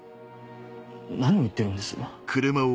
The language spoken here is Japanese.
何を言ってるんです？